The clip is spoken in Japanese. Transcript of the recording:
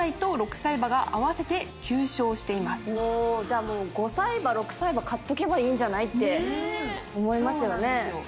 じゃあ５歳馬６歳馬買っとけばいいんじゃない？って思いますよね。